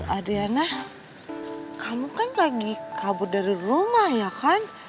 adriana kamu kan lagi kabur dari rumah ya kan